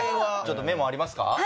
ちょっとメモありますか？